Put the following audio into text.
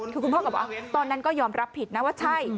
คือคุณพ่อก็บอกว่าตอนนั้นก็ยอมรับผิดนะว่าใช่